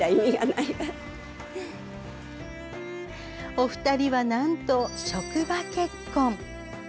お二人は、なんと職場結婚。